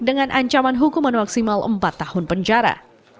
dengan ancaman hukuman maksimal empat tahun penjara